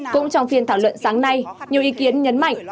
cũng trong phiên thảo luận sáng nay nhiều ý kiến nhấn mạnh